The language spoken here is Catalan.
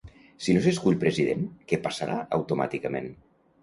Si no s'escull president, què passarà automàticament?